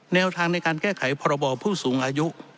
แนวทางในการแก้ไขพรบผู้สูงอายุ